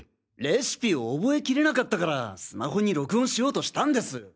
レシピを覚えきれなかったからスマホに録音しようとしたんです。